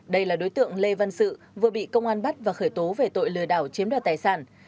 đây là đối tượng lê văn sự vừa bị công an bắt và khởi tố về tội lừa đảo chiếm đoạt tài sản